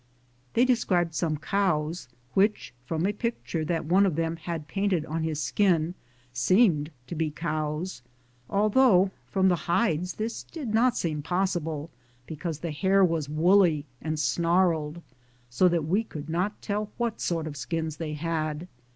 They described some cows which, from a picture that one of them had painted on his skin, seemed to be cows, although from the hides this did not seem possible, because the hair was woolly and snarled so that we could not tell what sort of skins they had.